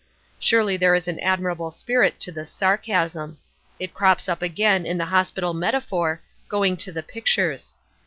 Surely there is an admirable spirit in this sarcasm. It crops up again in the hospital metaphor "going to the pictures."